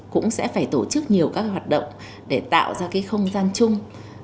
cũng sẽ phải tổ chức nhiều các hoạt động để tạo ra cái không gian chung